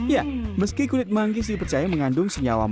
ya meski kulit manggis dipercaya mengandung senyawa mani